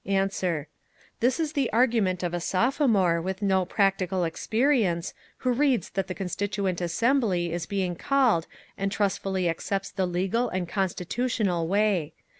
"Answer: This is the argument of a sophomore with no practical experience, who reads that the Constituent Assembly is being called and trustfully accepts the legal and constitutional way.